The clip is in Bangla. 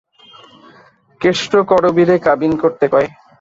কেষ্ট করবীরে কাবিন করতে কয়।